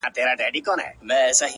زموږه مرديت لکه عادت له مينې ژاړي!